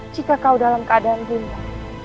jika kau dalam keadaan ringan